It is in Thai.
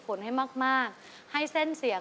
กลับมาฟังเพลง